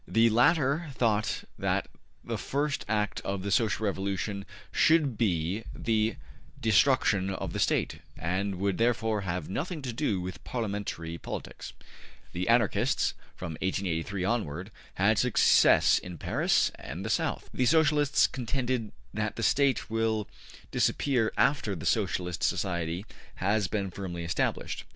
The latter thought that the first act of the Social Revolution should be the destruction of the State, and would therefore have nothing to do with Parliamentary politics. The Anarchists, from 1883 onward, had success in Paris and the South. The Socialists contended that the State will disappear after the Socialist society has been firmly established.